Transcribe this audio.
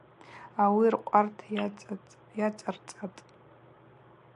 Ауи ркъварт йацӏарцӏатӏ.